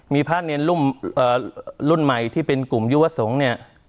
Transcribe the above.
มีพระเนรุ่มรุ่นใหม่ที่เป็นกลุ่มยุวสงฆ์เนี่ย